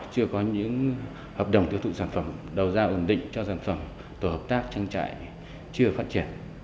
chưa có những hợp đồng tiêu thụ sản phẩm đầu ra ổn định cho sản phẩm tổ hợp tác trang trại chưa phát triển